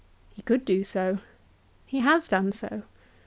He could do so. He has done so.